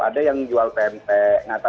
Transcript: ada yang jual tempek